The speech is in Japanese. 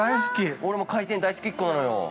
◆俺も海鮮大好きっ子なのよ。